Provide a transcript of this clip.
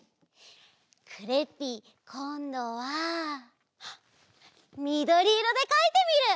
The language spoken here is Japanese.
クレッピーこんどはみどりいろでかいてみる！